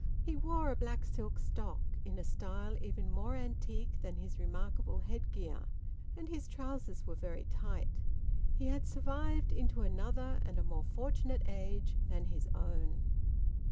He wore a black silk stock, in a style even more antique than his remarkable headgear, and his trousers were very tight. He had survived into another and a more fortunate age than his own.